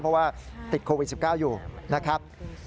เพราะว่าติดโควิด๑๙อยู่นะครับ